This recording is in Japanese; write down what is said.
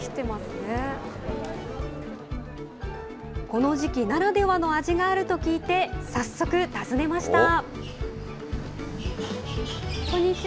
この時期ならではの味があると聞いて、早速、訪ねました。